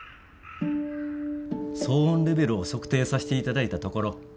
騒音レベルを測定さしていただいたところ基準の。